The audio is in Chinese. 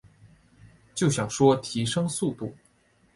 就想说提升速度